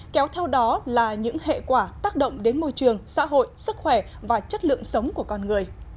kéo theo đó là những hệ quả tác động đến môi trường xã hội sức khỏe và chất lượng sống của con người